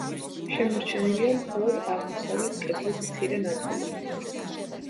შემორჩენილია მხოლოდ აღმოსავლეთ კედლის მცირე ნაწილი.